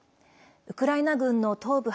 ウクライナ軍の東部